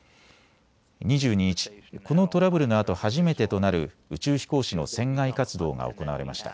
２２日、このトラブルのあと初めてとなる宇宙飛行士の船外活動が行われました。